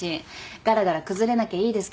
がらがら崩れなきゃいいですけど。